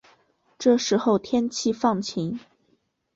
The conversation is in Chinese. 这时候天气放晴